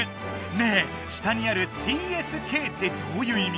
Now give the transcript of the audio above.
ねえ下にある「ＴＳＫ」ってどういういみ？